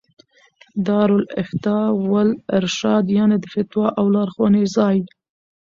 دار الافتاء والارشاد، يعني: د فتوا او لارښووني ځای